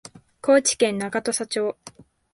高知県中土佐町